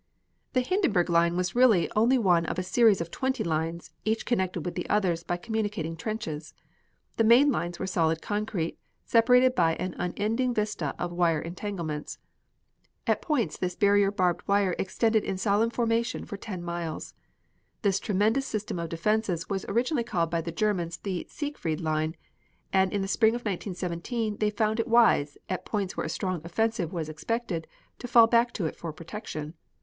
The Hindenburg line was really only one of a series of twenty lines, each connected with the others by communicating trenches. The main lines were solid concrete, separated by an unending vista of wire entanglements. At points this barrier barbed wire extended in solid formation for ten miles. This tremendous system of defenses was originally called by the Germans the Siegfried line, and in the spring of 1917 they found it wise, at points where a strong offensive was expected, to fall back to it for protection.